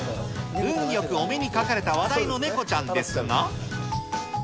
運よくお目にかかれた話題のネコちゃんですが。